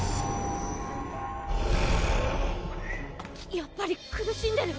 やっぱり苦しんでる。